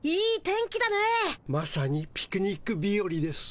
まさにピクニックびよりです。